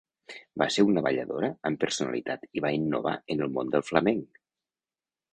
Va ser una balladora amb personalitat i va innovar en el món del flamenc.